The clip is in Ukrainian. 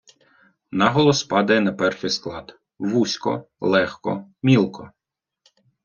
Наголос падає на перший склад: вузько, легко, мілко.